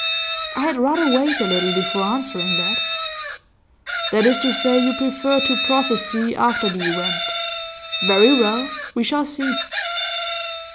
'I had rather wait a little before answering that.' 'That is to say, you prefer to prophesy after the event. Very well, we shall see.